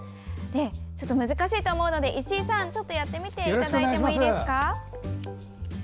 難しいと思うので、石井さんやってみていただいてもいいですか。